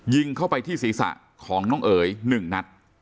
ยิงเข้าไปที่ศีรษะของน้องเอ๋ย๑นัด